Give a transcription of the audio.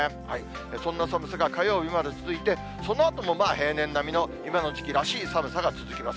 そんな寒さが火曜日まで続いて、そのあとも平年並みの、今の時期らしい寒さが続きます。